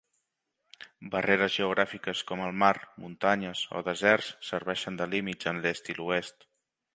Barreres geogràfiques com el mar, muntanyes o deserts serveixen de límits en l'est i l'oest.